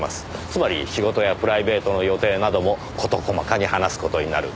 つまり仕事やプライベートの予定などもこと細かに話す事になる。